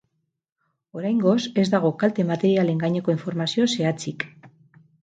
Oraingoz, ez dago kalte materialen gaineko informazio zehatzik.